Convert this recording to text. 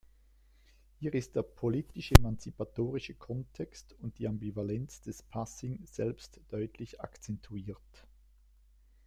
Hier ist der politisch-emanzipatorische Kontext und die Ambivalenz des Passing selbst deutlich akzentuiert.